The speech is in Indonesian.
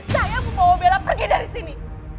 saya mau bella pergi dari sini